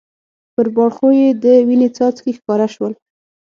پر باړخو یې د وینې څاڅکي ښکاره شول.